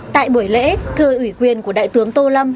tại buổi lễ thưa ủy quyền của đại tướng tô lâm